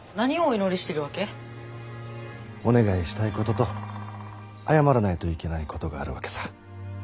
お願いしたいことと謝らないといけないことがあるわけさ。